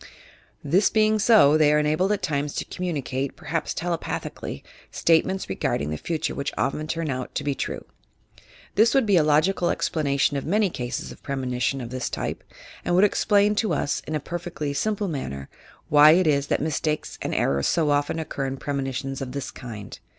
This being so, they are enabled at times to commum eate (perhaps telepathically) statements regarding the future which often turn out to be true. This would be a logical explanation of many cases of premonition of this type, and would explain to us, in a perfectly simple manner, why it is that mistakes and errors so often occur in premonitions of this kind.